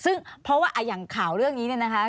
ซึ่งเพราะว่าอย่างข่าวเรื่องนี้เนี่ยนะคะ